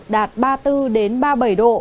đạt ba mươi bốn đến ba mươi bảy độ